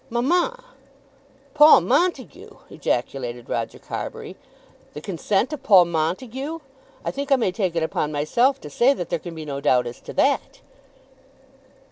"Mamma!" "Paul Montague!" ejaculated Roger Carbury. "The consent of Paul Montague! I think I may take upon myself to say that there can be no doubt as to that."